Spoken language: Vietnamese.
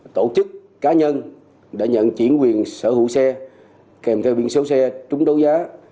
tổ chức cá nhân đã nhận chuyển quyền sở hữu xe kèm theo biển số xe trúng đấu giá